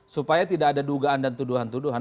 supaya tidak ada dugaan dan tuduhan tuduhan